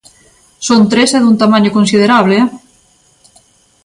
Son tres e dun tamaño considerable, eh!